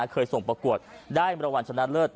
เคยส่งประกวดได้มรวรรณชนะเลิศ